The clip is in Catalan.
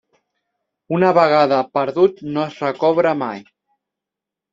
Una vegada perdut no es recobra mai.